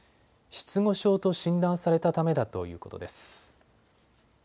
失語症と診断されたためだということです。